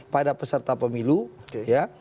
pada peserta pemilu ya